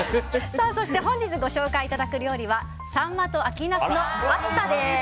そして本日ご紹介いただく料理はサンマと秋ナスのパスタです。